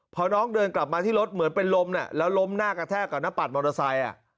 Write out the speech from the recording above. พอน้องเดินกลับมาที่รถเหมือนเป็นลมแล้วล้มหน้ากระแทกกับหน้าปัดมอเตอร์ไซค์